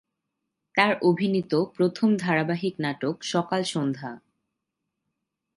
তার অভিনীত প্রথম ধারাবাহিক নাটক "সকাল সন্ধ্যা"।